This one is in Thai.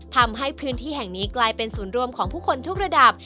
ทำให้พื้นที่แห่งนี้กลายเป็นศูนย์รวมของผู้คนทุกระดับ